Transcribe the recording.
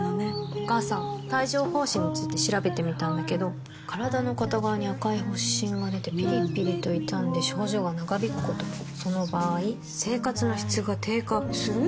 お母さん帯状疱疹について調べてみたんだけど身体の片側に赤い発疹がでてピリピリと痛んで症状が長引くこともその場合生活の質が低下する？